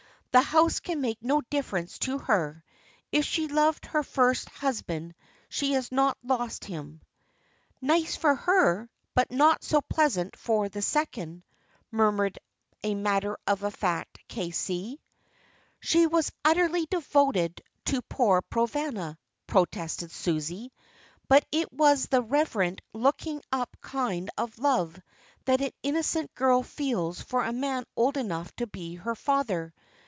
"The house can make no difference to her. If she loved her first husband she has not lost him." "Nice for her, but not so pleasant for her second," murmured a matter of fact K.C. "She was utterly devoted to poor Provana," protested Susie, "but it was the reverent looking up kind of love that an innocent girl feels for a man old enough to be her father.